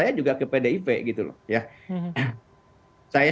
saya juga ke pdip gitu loh ya